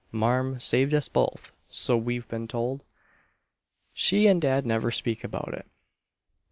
Marm saved us both, so we've been told. She and dad never speak about it."